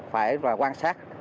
phải quan sát